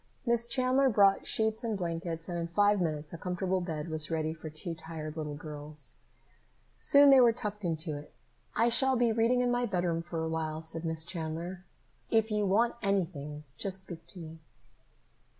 Miss Chandler brought sheets and blankets, and in five minutes a comfortable bed was ready for two tired little girls. Soon they were tucked into it. "I shall be reading in my bedroom for a while," said Miss Chandler. "If you want anything, just speak to me."